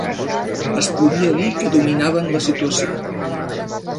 Es podia dir que dominaven la situació